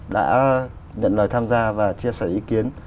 đã nhận lời tham gia và chia sẻ ý kiến